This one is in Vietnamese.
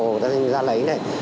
người ta ra lấy